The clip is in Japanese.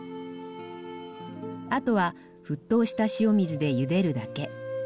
あとは沸騰した塩水でゆでるだけ。